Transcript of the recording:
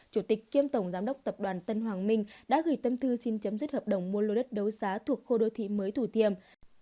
chủ tịch kiêm tổng giám đốc tập đoàn tân hoàng minh đã gửi tâm thư xin chấm dứt hợp đồng mua lô đất đấu giá thuộc khu đô thị mới thủ thiêm